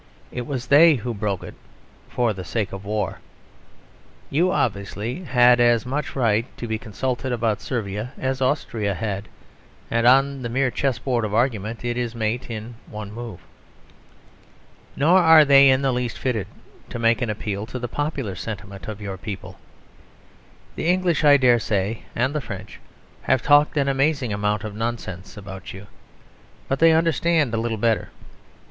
It was they who broke it for the sake of war. You, obviously, had as much right to be consulted about Servia as Austria had; and on the mere chess board of argument it is mate in one move. Nor are they in the least fitted to make an appeal to the popular sentiment of your people. The English, I dare say, and the French, have talked an amazing amount of nonsense about you; but they understand a little better.